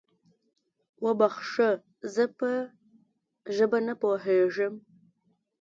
وبخښه، زه په ژبه نه پوهېږم؟